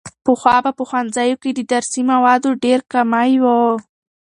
پخوا به په ښوونځیو کې د درسي موادو ډېر کمی و.